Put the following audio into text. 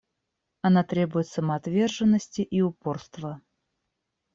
Она требует самоотверженности и упорства.